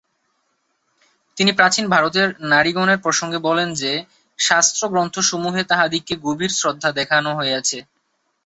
তিনি প্রাচীন ভারতের নারীগণের প্রসঙ্গে বলেন যে, শাস্ত্রগ্রন্থসমূহে তাঁহাদিগকে গভীর শ্রদ্ধা দেখান হইয়াছে।